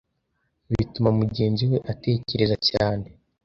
bituma mugenzi we atekereza cyane